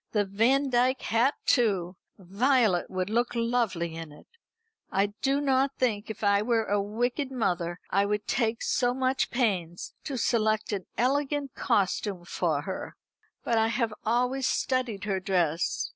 The Vandyke hat too! Violet would look lovely in it. I do not think if I were a wicked mother I should take so much pains to select an elegant costume for her. But I have always studied her dress.